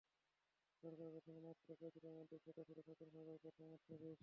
সরকার গঠনের মাত্র কদিনের মধ্যেই সেটা ছিল নতুন সরকারের প্রথম অধ্যাদেশ।